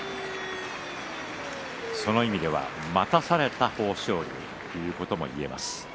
その意味では待たされた豊昇龍ということも言えます。